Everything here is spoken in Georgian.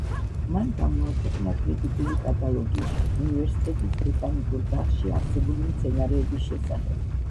მან გამოაქვეყნა კრიტიკული კატალოგი უნივერსიტეტის ბოტანიკურ ბაღში არსებული მცენარეების შესახებ.